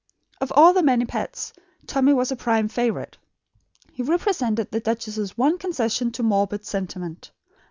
Of all the many pets, Tommy was prime favourite. He represented the duchess's one concession to morbid sentiment.